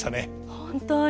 本当に。